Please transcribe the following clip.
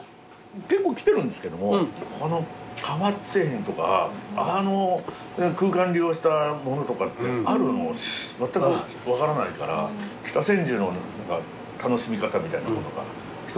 結構来てるんですけども革製品とかあの空間利用したものとかってあるのまったく分からないから北千住の楽しみ方みたいなものが一つ増えたなと感じました。